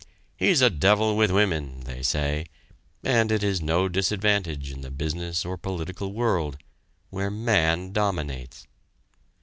"He's a devil with women," they say, and it is no disadvantage in the business or political world where man dominates.